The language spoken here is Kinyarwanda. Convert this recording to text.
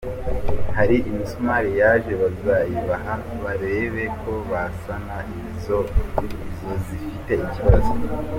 Hari imisumari yaje bazayibaha barebe ko basana izo zifite ikibazo.